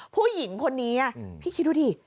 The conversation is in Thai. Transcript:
ผู้หญิงคนนี้พี่คิดดูดิ